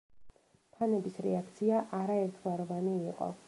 ფანების რეაქცია არაერთგვაროვანი იყო.